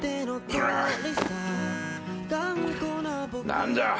何だ？